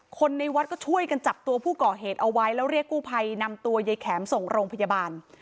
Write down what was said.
คนในวัดก็ช่วยกันจับตัวผู้ก่อเหตุเอาไว้แล้วเรียกกู้ภัยนำตัวยายแข็มส่งโรงพยาบาล